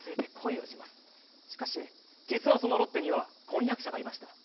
しかし実はそのロッテには婚約者がいました。